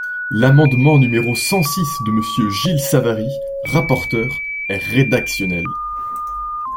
L’amendement numéro cent six de Monsieur Gilles Savary, rapporteur, est rédactionnel.